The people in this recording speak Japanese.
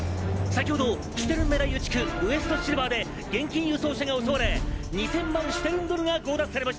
先ほどシュテルンメダイユ地区ウェストシルバーで現金輸送車が襲われ２千万シュテルンドルが強奪されました！